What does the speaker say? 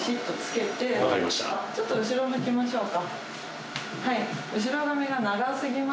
ちょっと後ろ向きましょうか。